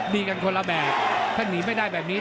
ดีกันคนละแบบถ้าหนีไม่ได้แบบนี้